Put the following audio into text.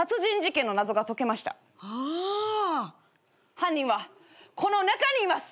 犯人はこの中にいます！